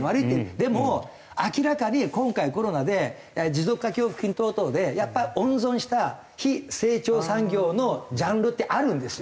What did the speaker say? でも明らかに今回コロナで持続化給付金等々でやっぱ温存した非成長産業のジャンルってあるんですよ。